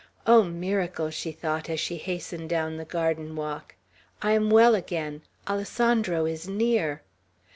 "Oh, miracle!" she thought, as she hastened down the garden walk; "I am well again! Alessandro is near!"